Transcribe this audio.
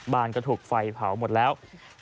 บ้านก็ถูกไฟเผาหมดแล้ว